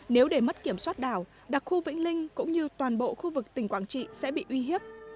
nếu để mất kiểm soát đảo đặc khu vĩnh linh cũng như toàn bộ khu vực tỉnh quảng trị sẽ bị uy hiếp